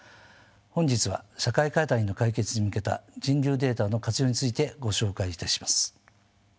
本日は社会課題の解決に向けた人流データの活用についてご紹介いたします。